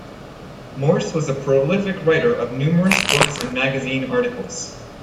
Morse was a prolific writer of numerous books and magazine articles.